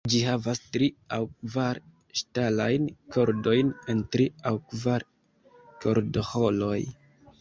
Ĝi havas tri aŭ kvar ŝtalajn kordojn en tri aŭ kvar kordoĥoroj.